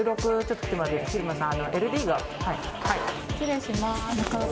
失礼します。